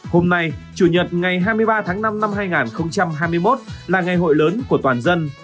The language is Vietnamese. hôm nay chủ nhật ngày hai mươi ba tháng năm năm hai nghìn hai mươi một là ngày hội lớn của toàn dân